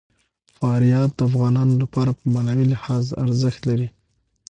فاریاب د افغانانو لپاره په معنوي لحاظ ارزښت لري.